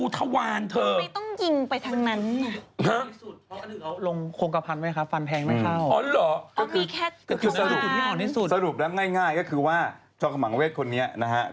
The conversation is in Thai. ทำไมต้องเอาปืนเนี่ย